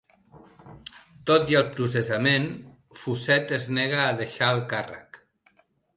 Tot i el processament Fuset es nega a deixar el càrrec